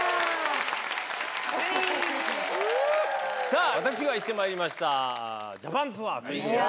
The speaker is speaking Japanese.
さぁ私が行ってまいりました「ジャパンツアー」ということで。